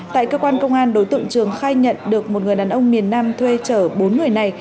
tại cơ quan công an đối tượng trường khai nhận được một người đàn ông miền nam thuê chở bốn người này